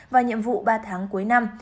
và nhiệm vụ ba tháng cuối năm